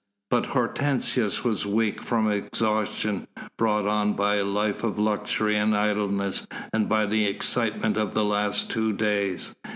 But Hortensius was weak from exhaustion brought on by a life of luxury and idleness and by the excitement of the last two days.